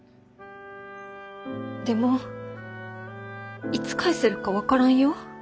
でもいつ返せるか分からんよ。